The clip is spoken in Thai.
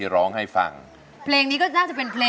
ร้องแท้